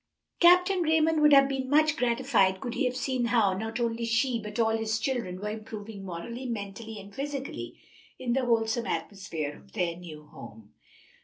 Captain Raymond would have been much gratified could he have seen how, not only she, but all his children, were improving morally, mentally and physically in the wholesome atmosphere of their new home.